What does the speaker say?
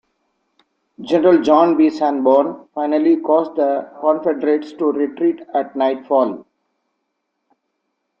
General John B. Sanborn finally caused the Confederates to retreat at nightfall.